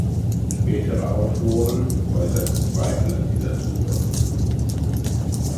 Spätere Autoren äußerten Zweifel an dieser Zuordnung.